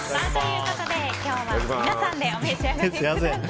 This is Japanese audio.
今日は皆さんでお召し上がりください。